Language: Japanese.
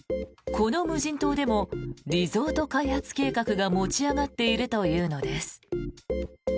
この無人島でもリゾート開発計画が持ち上がっているというのです。